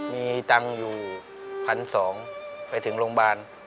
มีตังค์อยู่๑๒๐๐ไปถึงโรงพยาบาล